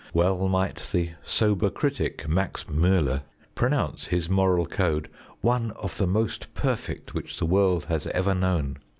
Well might the sober critic Max M├╝ller pronounce his moral code "one of the most perfect which the world has ever known".